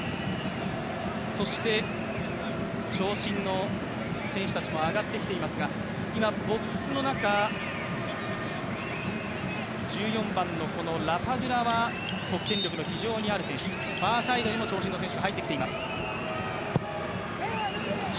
そして長身の選手たちも上がってきそうですが今、ボックスの中、１４番のラパドゥラは得点力の非常にある選手ファーサイドにも長身の選手が入ってきています。